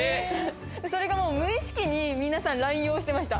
それがもう無意識に皆さん乱用してました。